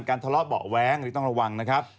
ทะเลาะเบาะแว้งหรือต้องระวังนะครับ